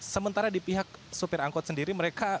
sementara di pihak supir angkot sendiri mereka